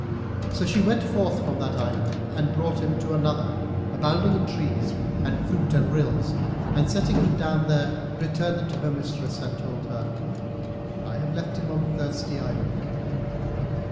So she went forth from that island and brought him to another abounding in trees and fruits and rills and, setting him down there, returned to her mistress and told her, "I have left him on the Thirsty Island."